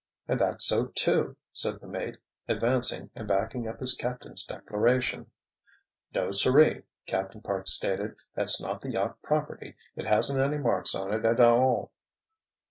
"And that's so, too," said the mate, advancing and backing up his captain's declaration. "No, sirree!" Captain Parks stated. "That's not the yacht property. It hasn't any marks on it at all."